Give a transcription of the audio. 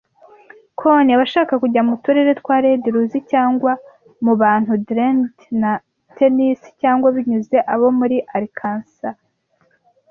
Coon-abashaka kujya mu turere twa Red ruzi cyangwa mu bantu drained na Tennessee, cyangwa binyuze abo mu Arkansas,